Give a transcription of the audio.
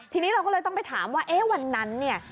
ทีนี้เราก็เลยต้องไปถามว่าเอ๊ะวันนั้นเนี่ย